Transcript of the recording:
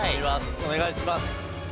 お願いします。